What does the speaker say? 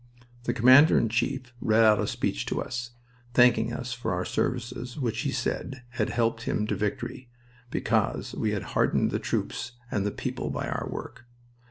The Commander in Chief read out a speech to us, thanking us for our services, which, he said, had helped him to victory, because we had heartened the troops and the people by our work.